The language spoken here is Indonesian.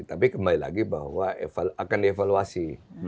tapi kembali lagi bahwa akan dievaluasi